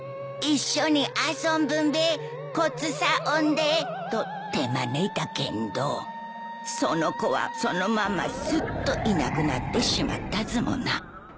一緒に遊ぶべこっちさおんでと手招いたけんどその子はそのまますっといなくなってしまったずもな。